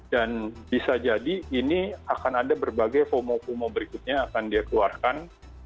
dan bisa jadi ini akan ada berbagai fomo fomo berikutnya akan dia keluarkan